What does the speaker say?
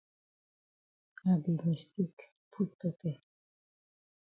I be mistake put pepper.